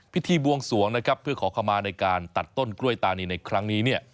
พิธีบวงสวงเพื่อขอเข้ามาในการตัดต้นกล้วยตานีในครั้งนี้